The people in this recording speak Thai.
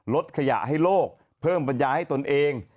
ลดขยะให้โลกเพิ่มปัญญาให้ตนเอง